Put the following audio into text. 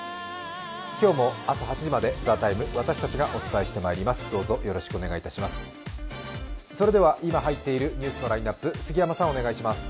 今日も朝８時まで「ＴＨＥＴＩＭＥ，」、私たちがお伝えしてまいります。